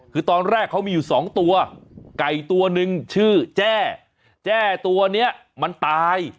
คือตอนแรกเขามีอยู่สองตัวไก่ตัวนึงชื่อแจ้แจ้ตัวนี้มันตาย